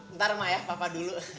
ntar mak ya papa dulu